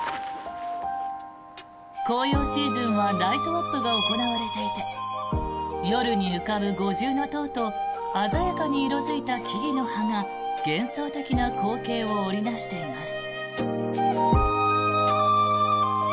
紅葉シーズンはライトアップが行われていて夜に浮かぶ五重塔と鮮やかに色付いた木々の葉が幻想的な光景を織りなしています。